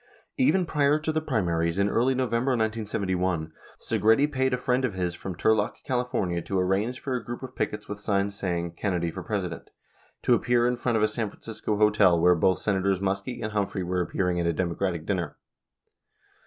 Even prior to the primaries, in early November 1971, Segretti paid a friend of his from Turlock, Calif., to arrange for a group of pickets with signs saying, "Kennedy for President" to appear in front of a San Francisco hotel where both Senators Muskie and Humphrey were appearing at a Democratic dinner.